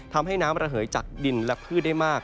ทำให้น้ำระเหยจากดินและพืชได้มาก